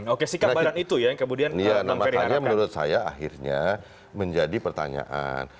oke sikap badan itu ya yang kemudian makanya menurut saya akhirnya menjadi pertanyaan